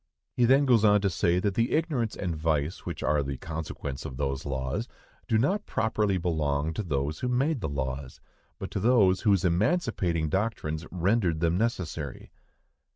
He then goes on to say that the ignorance and vice which are the consequence of those laws do not properly belong to those who made the laws, but to those whose emancipating doctrines rendered them necessary.